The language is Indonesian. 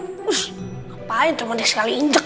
ngapain cuma dikali injek